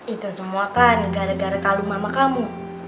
itu semua kan gara gara kalung mama kamu